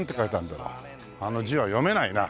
あの字は読めないな。